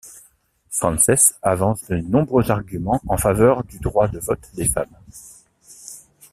Frances avance de nombreux arguments en faveur du droit de vote des femmes.